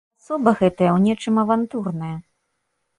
Асоба гэтая ў нечым авантурная.